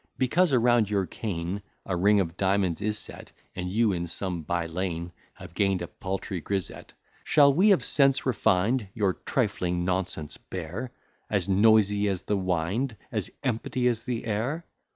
Because around your cane A ring of diamonds is set; And you, in some by lane, Have gain'd a paltry grisette; Shall we, of sense refined, Your trifling nonsense bear, As noisy as the wind, As empty as the air?